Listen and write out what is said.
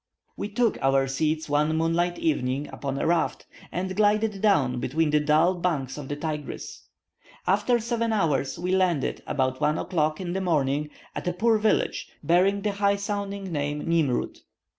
We took our seats one moonlight evening upon a raft, and glided down between the dull banks of the Tigris. After seven hours, we landed, about 1 o'clock in the morning, at a poor village, bearing the high sounding name Nimroud.